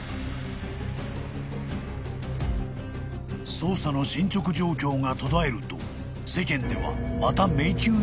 ［捜査の進捗状況が途絶えると世間ではまた］